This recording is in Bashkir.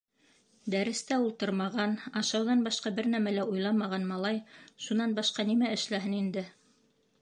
Дәрестә ултырмаған, ашауҙан башҡа бер нәмә лә уйламаған малай шунан башҡа нимә эшләһен инде.